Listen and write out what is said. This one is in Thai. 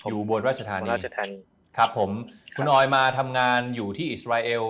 อยู่บนราชธานีครับผมคุณออยมาทำงานอยู่ที่อิสราเอล